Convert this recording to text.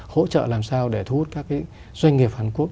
hỗ trợ làm sao để thu hút các doanh nghiệp hàn quốc